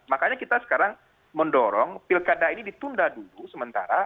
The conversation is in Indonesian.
makanya kita sekarang mendorong pilkada ini ditunda dulu sementara